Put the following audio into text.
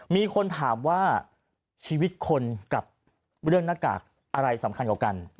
มีคนถามว่าชีวิตคนกับเรื่องหน้ากากอะไรสำคัญกว่ากัน